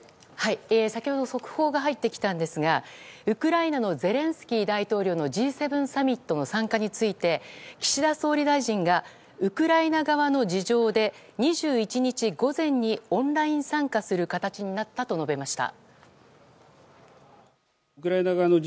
先ほど速報が入ってきたんですがウクライナのゼレンスキー大統領のＧ７サミットの参加について、岸田総理大臣がウクライナ側の事情で２１日午前にオンライン参加する形になったと述べました。